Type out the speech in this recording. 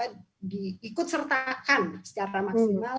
jadi di ikut sertakan secara maksimal